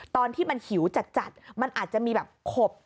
ตอนที่มันหิวจัดมันอาจจะมีแบบขบ